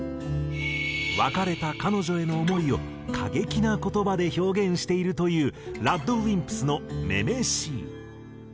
別れた彼女への想いを過激な言葉で表現しているというＲＡＤＷＩＭＰＳの『ｍｅｍｅｓｈｅ』。